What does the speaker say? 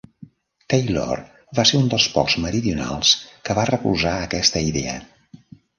Taylor va ser un dels pocs meridionals que va recolzar aquesta idea.